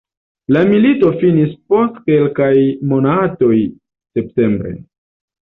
La milito finis post kelkaj monatoj septembre.